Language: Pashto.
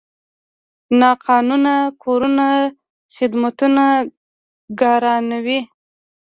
ناقانونه کورونه خدمتونه ګرانوي.